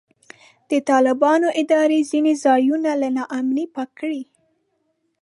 د طالبانو اداره ځینې ځایونه له نا امنۍ پاک کړي.